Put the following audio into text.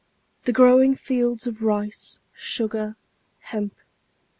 the growing fields of rice, sugar, hemp!